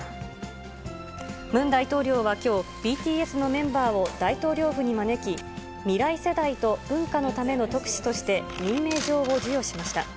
ムン大統領はきょう、ＢＴＳのメンバーを大統領府に招き、未来世代と文化のための特使として任命状を授与しました。